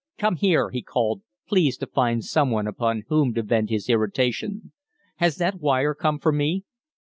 "Come here!" he called, pleased to find some one upon whom to vent his irritation. "Has that wire come for me?"